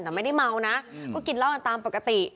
แต่ไม่ได้เมานะก็กินเหล้ากันตามปกติ